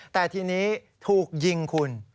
แต่ทีนี้ถูกยิงคุณ